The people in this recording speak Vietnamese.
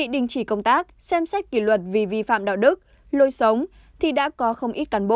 đình chỉ công tác xem xét kỷ luật vì vi phạm đạo đức lôi sống thì đã có không ít cán bộ